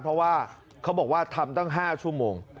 เพราะว่าเขาบอกว่าทำตั้ง๕ชั่วโมง